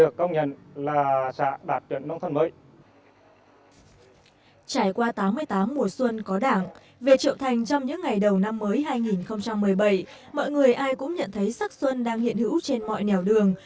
trong những ngày đầu năm mới hai nghìn một mươi bảy mọi người ai cũng nhận thấy sắc xuân đang hiện hữu trên mọi nẻo đường